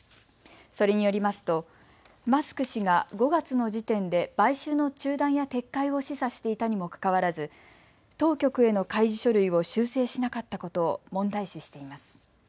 それによりますとマスク氏が５月の時点で買収の中断や撤回を示唆していたにもかかわらず、当局への開示書類を修正しなかったことを問題視しています。